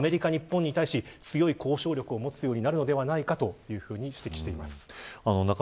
というわけで、アメリカ、日本に対し強い交渉力を持つようになるのではないかと指摘を行っています。